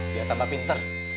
biar tampak pinter